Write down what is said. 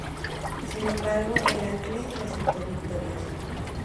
Sin embargo, Heracles resultó victorioso.